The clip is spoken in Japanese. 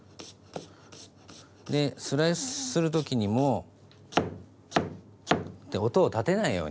でスライスする時にも。って音を立てないように。